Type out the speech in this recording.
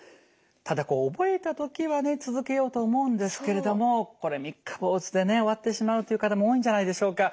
ただこう覚えた時はね続けようと思うんですけれどもこれ三日坊主でね終わってしまうという方も多いんじゃないでしょうか。